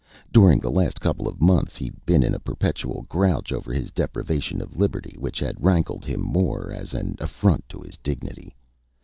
During the last couple of months he'd been in a perpetual grouch over his deprivation of liberty, which had rankled him more as an affront to his dignity.